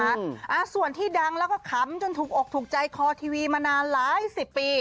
อ่าส่วนที่ดังแล้วก็ขำจนถูกอกถูกใจคอทีวีมานานหลายสิบปี